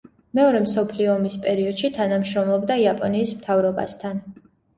მეორე მსოფლიო ომის პერიოდში თანამშრომლობდა იაპონიის მთავრობასთან.